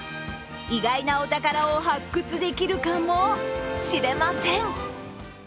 意外なお宝を発掘できるかも、しれません。